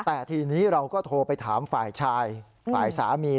แต่ทีนี้เราก็โทรไปถามฝ่ายชายฝ่ายสามี